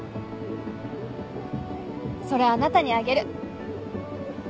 それあなたにあげる。